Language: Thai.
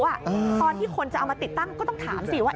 คนที่คนจะเอามาติดตั้งก็ต้องถามสิว่า